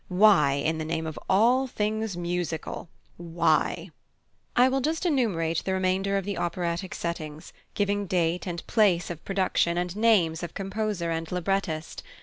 Why, in the name of all things musical why?" I will just enumerate the remainder of the operatic settings, giving date and place of production and names of composer and librettist.